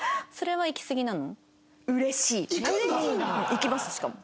行きますしかも。